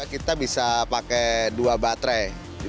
kita bisa pakai dua baterai